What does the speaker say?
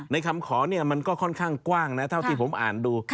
คำขอมันก็ค่อนข้างกว้างนะเท่าที่ผมอ่านดู